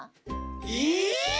え！？